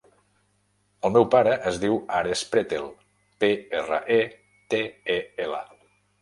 El meu pare es diu Ares Pretel: pe, erra, e, te, e, ela.